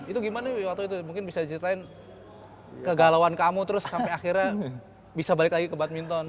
itu gimana waktu itu mungkin bisa diceritain kegalauan kamu terus sampai akhirnya bisa balik lagi ke badminton